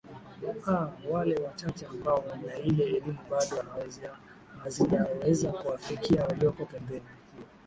a wale wachache ambao wanaile elimu bado hazijaweza kuwafikia walioko pembeni